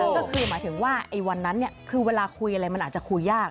ก็คือหมายถึงว่าวันนั้นคือเวลาคุยอะไรมันอาจจะคุยยาก